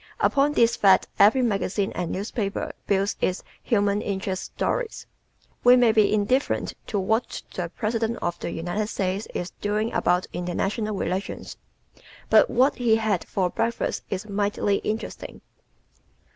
Upon this fact every magazine and newspaper builds its "human interest" stories. We may be indifferent to what the President of the United States is doing about international relations but what he had for breakfast is mighty interesting.